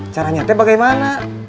cara nyatanya bagaimana